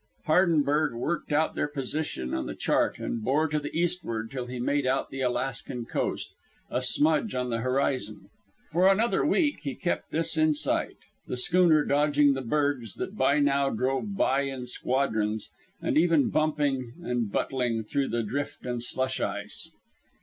Hardenberg worked out their position on the chart and bore to the eastward till he made out the Alaskan coast a smudge on the horizon. For another week he kept this in sight, the schooner dodging the bergs that by now drove by in squadrons, and even bumping and butling through drift and slush ice.